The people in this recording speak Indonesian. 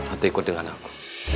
atau ikut dengan aku